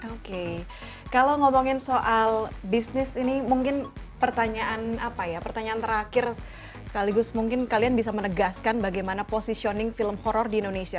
oke kalau ngomongin soal bisnis ini mungkin pertanyaan apa ya pertanyaan terakhir sekaligus mungkin kalian bisa menegaskan bagaimana positioning film horror di indonesia